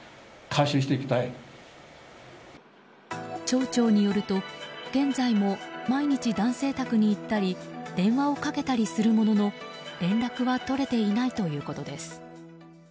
町長によると、現在も毎日男性宅に行ったり電話をかけたりするものの連絡は取れていないということです。